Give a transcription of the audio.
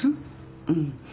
うん。